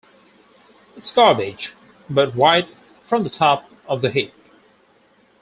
It's garbage, but right from the top of the heap.